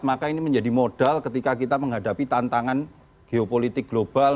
maka ini menjadi modal ketika kita menghadapi tantangan geopolitik global